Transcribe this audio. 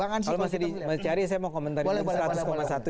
kalau masih dicari saya mau komentari seratus satu itu